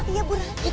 iya bu ranti